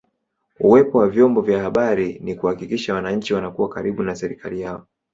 Uwepo wa vyombo vya habari ni kuhakikisha wananchi wanakuwa karibu na serikali yao